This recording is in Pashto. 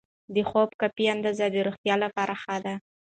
د خوب کافي اندازه د روغتیا لپاره ښه ده.